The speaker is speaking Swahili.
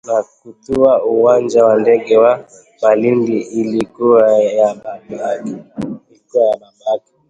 na kutua uwanja wa ndege wa Malindi ilikuwa ya babake